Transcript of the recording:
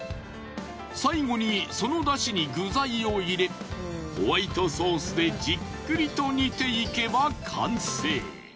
最後にそのだしに具材を入れホワイトソースでじっくりと煮ていけば完成。